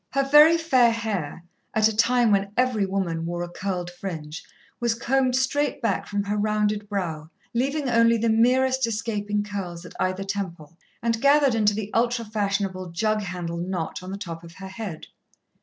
Her very fair hair, at a time when every woman wore a curled fringe, was combed straight back from her rounded brow, leaving only the merest escaping curls at either temple, and gathered into the ultra fashionable "jug handle" knot on the top of her head.